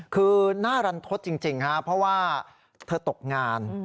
คือน่ารันทศจริงครับเพราะว่าเธอตกงาน